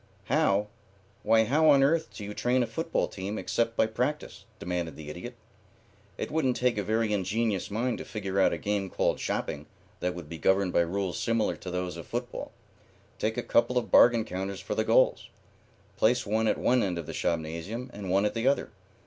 "How? Why, how on earth do you train a football team except by practice?" demanded the Idiot. "It wouldn't take a very ingenious mind to figure out a game called shopping that would be governed by rules similar to those of football. Take a couple of bargain counters for the goals. Place one at one end of the shopnasium and one at the other.